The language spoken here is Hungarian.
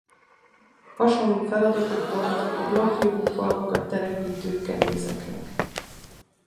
Hasonló feladatuk volt a vlach jogú falvakat telepítő kenézeknek.